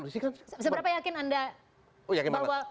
seberapa yakin anda